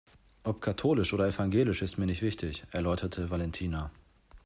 Ob katholisch oder evangelisch ist mir nicht wichtig, erläuterte Valentina.